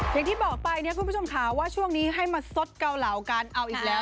อย่างที่บอกไปเนี่ยคุณผู้ชมค่ะว่าช่วงนี้ให้มาสดเกาเหลากันเอาอีกแล้ว